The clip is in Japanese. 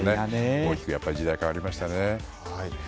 大きく時代が変わりましたね。